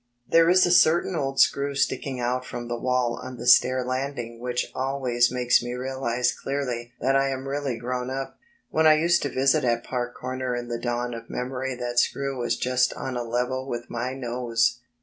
There is a certain old screw sticking out from the wall on the stair lattding which always makes me realize clearly that I am really grown up. When I used to visit at Park Comer in the dawn of memory that screw was just on a level with my nose!